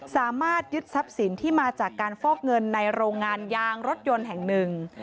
สามารถยึดทรัพย์สินที่มาจากการฟอกเงินในโรงงานยางรถยนต์แห่งหนึ่ง